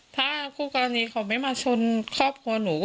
ถ้าคู่กรณีเขาไม่มาชนครอบครัวหนู